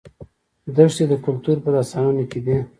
دښتې د کلتور په داستانونو کې دي.